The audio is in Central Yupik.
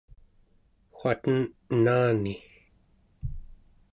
waten enani